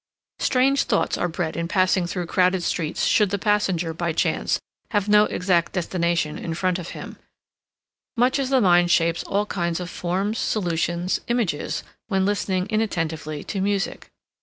Strange thoughts are bred in passing through crowded streets should the passenger, by chance, have no exact destination in front of him, much as the mind shapes all kinds of forms, solutions, images when listening inattentively to music.